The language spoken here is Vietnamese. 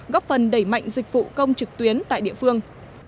góp phần đẩy mạnh dịch vụ công trực tuyến tại địa phương